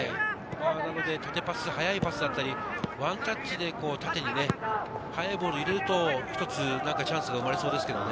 なので縦パス、速いパスだったり、ワンタッチで縦に速いボールを入れると、一つチャンスが生まれそうですけどね。